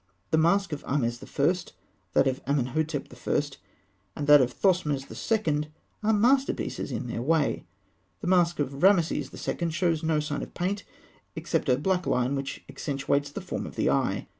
The mask of Ahmes I., that of Amenhotep I., and that of Thothmes II., are masterpieces in their way. The mask of Rameses II. shows no sign of paint, except a black line which accentuates the form of the eye.